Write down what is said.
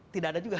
tidak ada juga